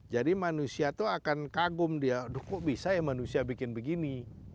jadi manusia itu akan kagum dia aduh kok bisa ya manusia bikin begini